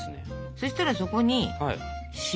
そしたらそこに塩です。